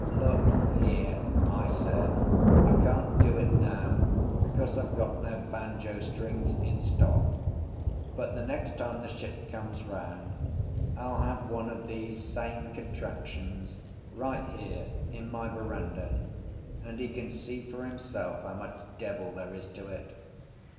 "Look here," I said, "I can't do it now because I've got no banjo strings in stock; but the next time the ship comes round I'll have one of these same contraptions right here in my verandah, and he can see for himself how much devil there is to it.